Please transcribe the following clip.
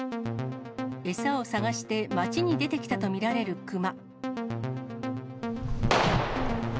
餌を探して街に出てきたと見られる熊。